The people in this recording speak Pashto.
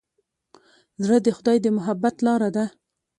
زړه د خدای د محبت لاره ده.